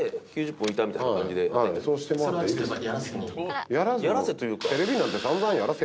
そうしてもらっていいですか？